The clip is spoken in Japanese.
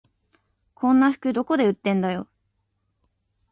こんな服どこで売ってんだよ